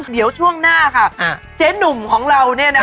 เดี๋ยวช่วงหน้าค่ะเจ๊หนุ่มของเราเนี่ยนะคะ